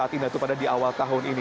berarti saat ini pada awal tahun ini